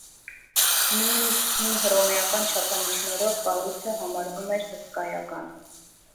Նույնիսկ հին հռոմեական չափանիշներով կառույցը համարվում էր հսկայական։